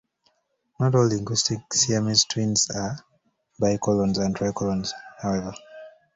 Not all linguistic Siamese twins are bicolons or tricolons, however.